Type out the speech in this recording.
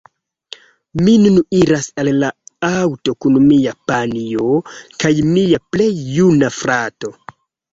Mi nun iras al la aŭto kun mia panjo kaj mia plej juna frato